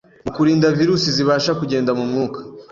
mu kurinda virus zibasha kugenda mu mwuka